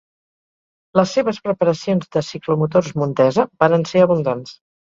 Les seves preparacions de ciclomotors Montesa varen ser abundants.